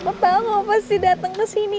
aku tau kamu pasti datang kesini